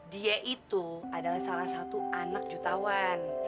dia itu adalah salah satu anak jutawan